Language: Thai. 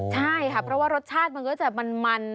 ใช่ค่ะเพราะว่ารสชาติมันก็จะมัน